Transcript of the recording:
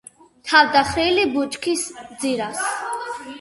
თავდახრილი ბუჩქის ძირას,